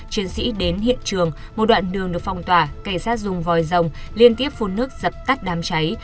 chiến sĩ đến hiện trường một đoạn đường được phong tỏa cảnh sát dùng vòi rồng liên tiếp phun nước dập tắt đám cháy